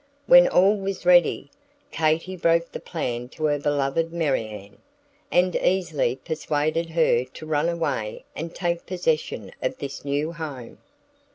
When all was ready, Katy broke the plan to her beloved Marianne, and easily persuaded her to run away and take possession of this new home.